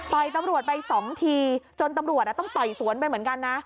ตำรวจไปสองทีจนตำรวจต้องต่อยสวนไปเหมือนกันนะ